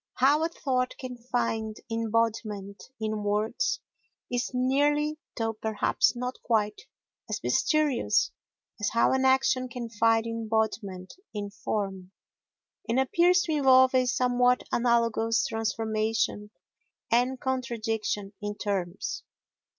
How a thought can find embodiment in words is nearly, though perhaps not quite, as mysterious as how an action can find embodiment in form, and appears to involve a somewhat analogous transformation and contradiction in terms.